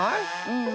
うん。